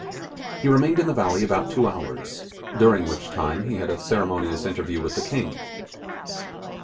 He remained in the valley about two hours, during which time he had a ceremonious interview with the king.